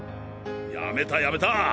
やめたやめた！